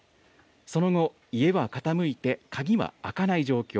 その後、家は傾いて、鍵は開かない状況。